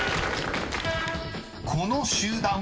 ［この集団は？］